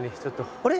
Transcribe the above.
あれ？